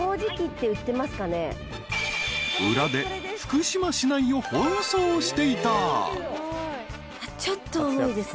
［裏で福島市内を奔走していた］